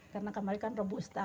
karena kemarin kan robusta